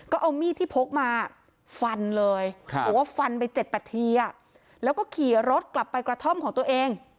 ก็เอามีดที่พกมาฟันเลยบอกว่าฟันไป๗นาทีแล้วก็ขี่รถกลับไปกระท่อมของตัวเอง